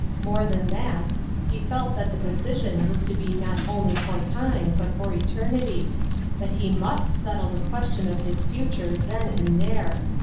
More than that, he felt that the decision was to be not only for time, but for eternity; that he must settle the question of his future then and there.